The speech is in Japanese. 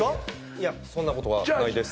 いやそんなことはないです